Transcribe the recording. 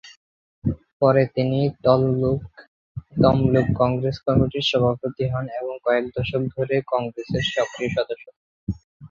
পরে তিনি তমলুক কংগ্রেস কমিটির সভাপতি হন এবং কয়েক দশক ধরে কংগ্রেসের সক্রিয় সদস্য থাকেন।